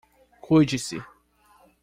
Cuide-se